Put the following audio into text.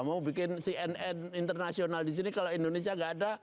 mau bikin cnn internasional di sini kalau indonesia nggak ada